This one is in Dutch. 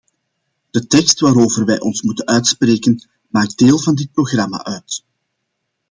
De tekst waarover wij ons moeten uitspreken maakt deel van dit programma uit.